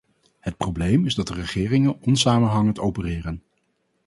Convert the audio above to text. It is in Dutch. Het probleem is dat de regeringen onsamenhangend opereren.